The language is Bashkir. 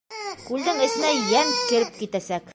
Күлдең эсенә йән кереп китәсәк.